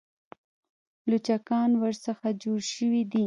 لوچکان ورڅخه جوړ شوي دي.